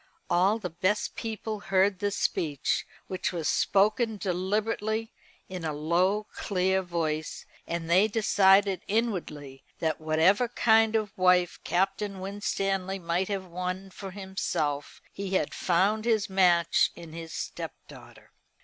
All the best people heard this speech, which was spoken deliberately, in a low clear voice, and they decided inwardly that whatever kind of wife Captain Winstanley might have won for himself, he had found his match in his stepdaughter.